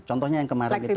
contohnya yang kemarin itu